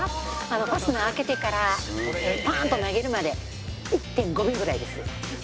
ファスナー開けてからパーンと投げるまで１．５秒ぐらいです。